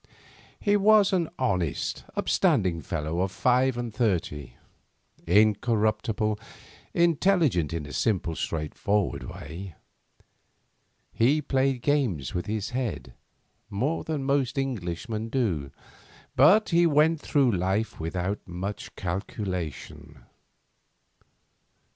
He was an honest, upstanding fellow of five and thirty, incorruptible, intelligent in a simple, straightforward way. He played games with his head, more than most Englishmen do, but he went through life without much calculation.